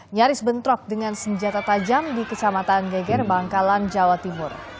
nyaris bentrok dengan senjata tajam di kecamatan geger bangkalan jawa timur